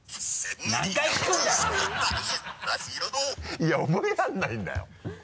いや覚えられないんだよ。